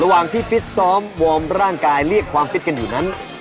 ระหว่างที่ฟิตซ้อมวอร์มร่างกายเรียกความฟิตกันอยู่นั้น